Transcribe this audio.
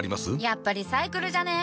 やっぱリサイクルじゃね？